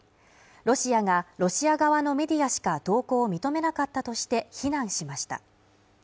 ロシアがロシア側のメディアしか同行を認めなかったとして非難しました